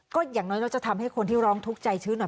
ก็อย่างน้อยเราจะทำให้คนที่ร้องทุกข์ใจชื้นหน่อย